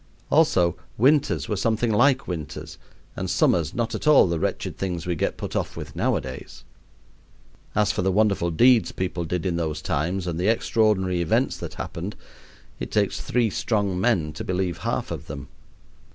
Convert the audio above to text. Also winters were something like winters, and summers not at all the wretched things we get put off with nowadays. As for the wonderful deeds people did in those times and the extraordinary events that happened, it takes three strong men to believe half of them.